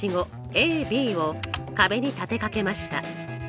ＡＢを壁に立てかけました。